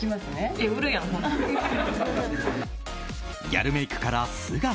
ギャルメイクから素顔。